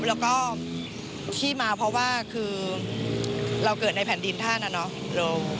แล้วก็ที่มาเพราะว่าคือเราเกิดในแผ่นดินท่านนะเนาะ